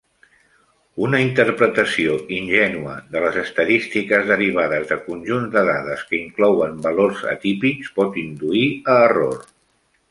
Una interpretació ingènua de les estadístiques derivades de conjunts de dades que inclouen valors atípics pot induir a error.